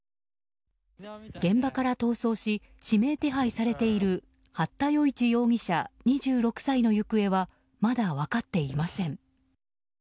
現場から逃走し指名手配されている八田与一容疑者、２６歳の行方はまだ分かっていません。